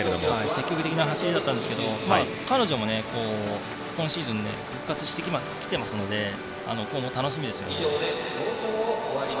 積極的な走りだったんですが彼女も今シーズン復活してきてますので今後、楽しみですね。